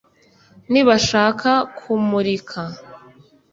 Nibashaka kumurika,